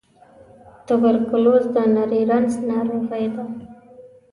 توبرکلوز د نري رنځ ناروغۍ ده.